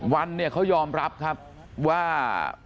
วันเนี่ยเขายอมรับครับว่า